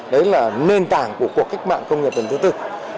đấy là nền tảng của cuộc cách mạng công nghiệp lần thứ tư